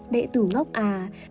đệ tử ngốc à